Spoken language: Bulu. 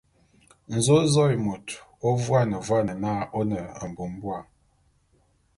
Nzōzôé môt ô vuane vuane na ô ne mbubua.